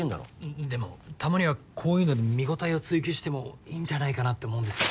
えっでもたまにはこういうので見応えを追求してもいいんじゃないかなって思うんです。